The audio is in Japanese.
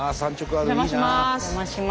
お邪魔します。